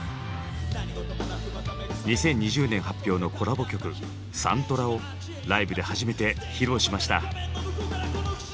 ２０２０年発表のコラボ曲「サントラ」をライブで初めて披露しました。